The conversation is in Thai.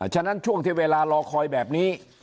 ฉะนั้นช่วงที่เวลารอคอยแบบนี้